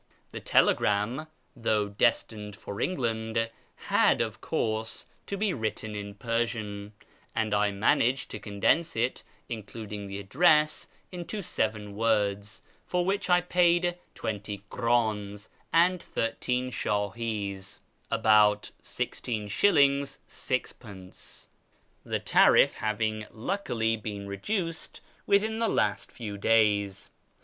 The telegram, though destined for England, liad, of course, to be written in Persian, and I managed to coiidonse it, including the address, into seven words, for which 1 paid twenty krdm and thirteen shdhis (about 1 Gs. Gd.), the tariff having luckily been reduced within the last few days.